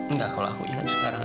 enggak kalau aku ingat sekarang